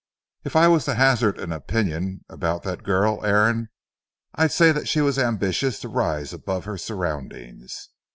If I was to hazard an opinion about that girl, Aaron, I'd say that she was ambitious to rise above her surroundings.